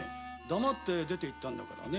黙って出て行ったんだからね。